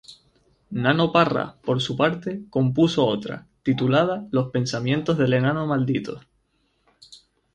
Nano Parra, por su parte, compuso otra, titulada "Los pensamientos del Enano Maldito".